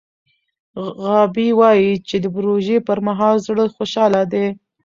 غابي وايي چې د روژې پر مهال زړه خوشحاله دی.